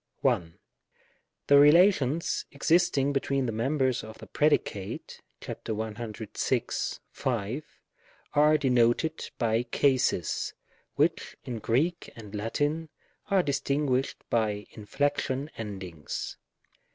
1. The relations existing between the members of the predicate (§106, 5), are denoted by cases, which in Greek and Latin are distinguished by inflection endings.